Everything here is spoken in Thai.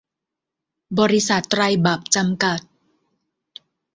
บริษัท ไตรบรรพ จำกัด